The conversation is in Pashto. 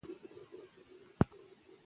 که رښتیا وي نو عزت وي.